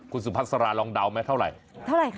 คุณสุพัสราลองเดาไหมเท่าไหร่เท่าไหร่